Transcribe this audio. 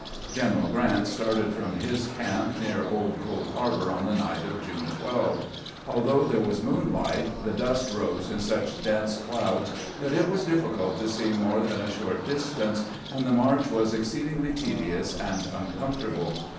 General Grant started from his camp near Old Cold Harbor on the night of June 12. Although there was moonlight, the dust rose in such dense clouds that it was difficult to see more than a short distance, and the march was exceedingly tedious and uncomfortable.